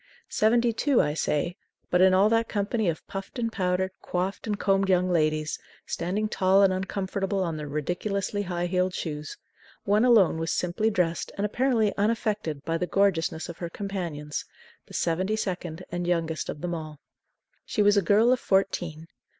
Seventy two, I say, but in all that company of puffed and powdered, coifed and combed young ladies, standing tall and uncomfortable on their ridiculously high heeled shoes, one alone was simply dressed and apparently unaffected by the gorgeousness of her companions, the seventy second and youngest of them all. She was a girl of fourteen.